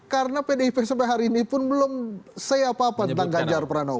karena pdip sampai hari ini pun belum say apa apa tentang gajar pranowo